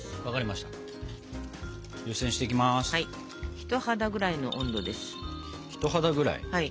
人肌ぐらいの温度です。